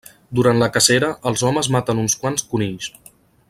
Durant la cacera, els homes maten uns quants conills.